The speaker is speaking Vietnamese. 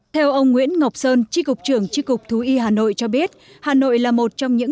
theo ông nguyễn ngọc sơn tri cục trưởng tri cục thú y hà nội cho biết hà nội là một trong những